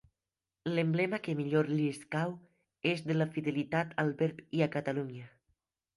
L'emblema que millor li escau és de la fidelitat al verb i a Catalunya.